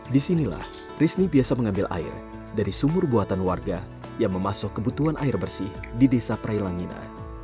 disinilah risni biasa mengambil air dari sumur buatan warga yang memasuk kebutuhan air bersih di desa prailangina